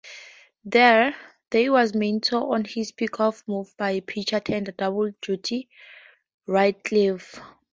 There, Day was mentored on his pickoff move by pitcher Ted "Double Duty" Radcliffe.